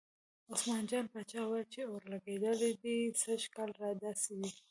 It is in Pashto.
عثمان جان پاچا ویل چې اورلګید دې سږ کال داسې وي.